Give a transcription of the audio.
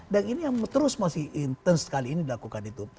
dan ini yang terus masih intens kali ini dilakukan itu